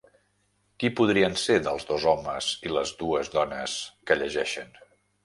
Qui podrien ser dels dos homes i les dues dones que llegeixen?